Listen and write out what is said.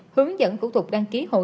hướng dẫn cục thuộc đăng ký hội